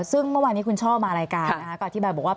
ซึ่งเมื่อวานนี้คุณช่อมารายการนะคะก็อธิบายบอกว่า